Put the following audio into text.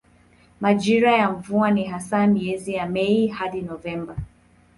Majira ya mvua ni hasa miezi ya Mei hadi Novemba.